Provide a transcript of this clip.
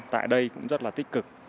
tại đây cũng rất là tích cực